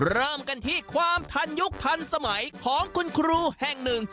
เริ่มกันที่ความทันยุคทันสมัยของคุณครูแห่งหนึ่ง